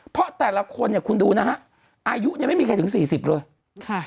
เพราะแต่ละคนเนี่ยคุณดูนะฮะอายุยังไม่มีใครถึงสี่สิบเลยค่ะ